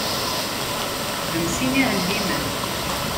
Xdem sin iɛellimen.